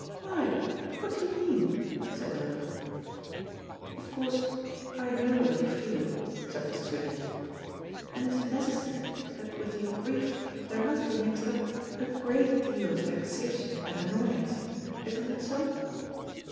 "Why, what do you mean?" said Dodo. "Of course I know what you feel," said Mrs. Vivian, "and it is necessary that with your grief there must be mixed up a great deal of vexation and annoyance. Isn't it so?"